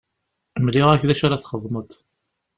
Mliɣ-ak d acu ara txedmeḍ.